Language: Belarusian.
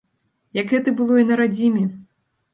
Як гэта было і на радзіме!